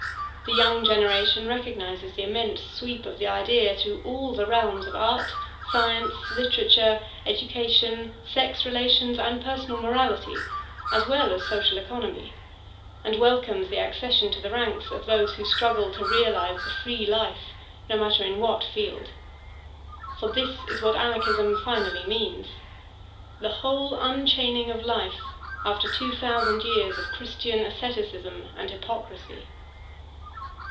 The young generation recognizes the immense sweep of the idea through all the realms of art, science, literature, education, sex relations and personal morality, as well as social economy, and welcomes the accession to the ranks of those who struggle to realize the free life, no matter in what field. For this b what Anarchism finally means, the whole unchaining of life after two thousand years of Christian asceticism and hypocrisy.